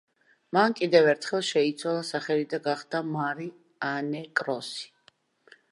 მან კიდევ ერთხელ შეიცვალა სახელი და გახდა მარი ანე კროსი.